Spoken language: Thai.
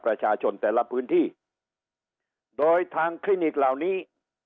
ประชาชนแต่ละพื้นที่โดยทางคลินิกเหล่านี้